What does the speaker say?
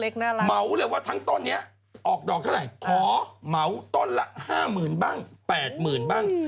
เหมาเลยว่าทั้งต้นนี้ออกดอกเท่าไหร่ขอเหมาต้นละ๕๐๐๐บ้าง๘๐๐๐บ้าง